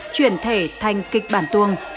chuyển thể thành kịch bản tuồng